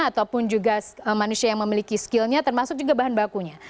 ataupun juga manusia yang memiliki skillnya termasuk juga bahan bakunya